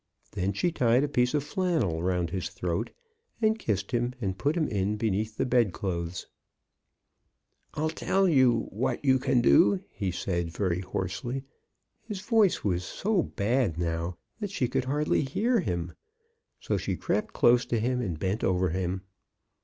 Then she tied a piece of flannel round his throat, and kissed him, and put him in beneath the bedclothes. *' I'll tell you what you can do," he said, very hoarsely. His voice was so bad now that she could hardly hear him. So she crept close to him, and bent over him.